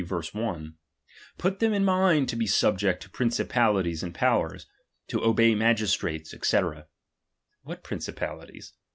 iii. 1) : Put thevi in mind to he subject to ^^| principalities and powers, to obey magistrates, ^'c. ^H What priucipalities